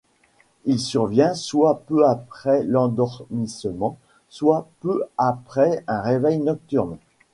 Il survient soit peu après l'endormissement, soit peu après un réveil nocturne.